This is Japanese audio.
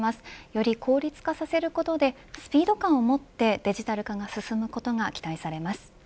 より効率化させることでスピード感をもってデジタル化が進むことが期待されます。